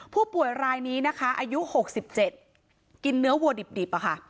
ผู้ป่วยรายนี้นะคะอายุ๖๗กินเนื้อวัวดิบ